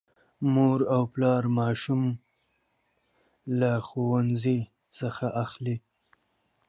مور او پلا ماشوم له ښوونځي څخه اخلي.